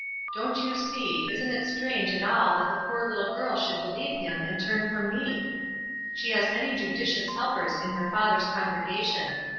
Don't you see, it isn't strange at all that the poor little girl should believe him, and turn from me? She has many judicious helpers in her father's congregation.